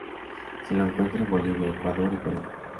Se lo encuentra en Bolivia, Ecuador, y Perú.